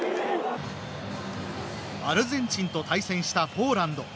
アルゼンチンと対戦したポーランド。